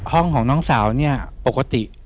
ห้องของน้องสาวเนี่ยปกติ